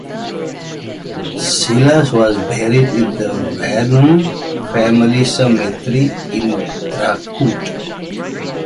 Silas was buried in the Varnum family cemetery in Dracut.